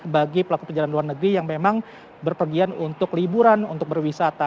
bagi pelaku perjalanan luar negeri yang memang berpergian untuk liburan untuk berwisata